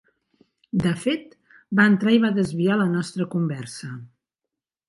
De fet, va entrar i va desviar la nostra conversa.